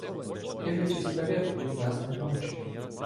Дивлячись вперед, нас не бачать.